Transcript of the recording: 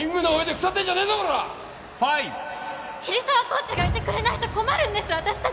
コーチがいてくれないと困るんです私たち！